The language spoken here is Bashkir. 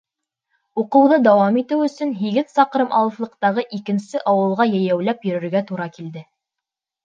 Уҡыуҙы дауам итеү өсөн һигеҙ саҡрым алыҫлыҡтағы икенсе ауылға йәйәүләп йөрөргә тура килде.